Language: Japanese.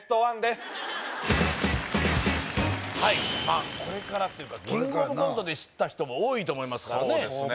まあこれからっていうかキングオブコントで知った人が多いと思いますからねそうですね